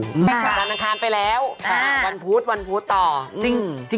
จากสรรคาไปแล้ววันพุธต่อ